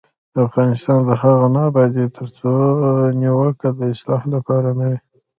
افغانستان تر هغو نه ابادیږي، ترڅو نیوکه د اصلاح لپاره نه وي.